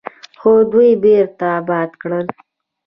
خو دوی بیرته اباد کړل.